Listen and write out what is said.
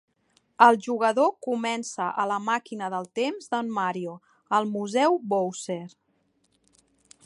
El jugador comença a la màquina del temps d'en Mario al museu Bowser.